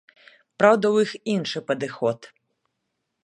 Праўда, у іх іншы падыход.